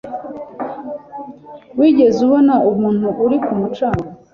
Wigeze ubona umuntu uri ku mucanga